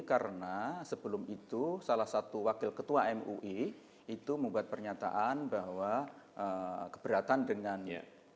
karena sebelum itu salah satu wakil ketua mui itu membuat pernyataan bahwa keberatan dengan full day school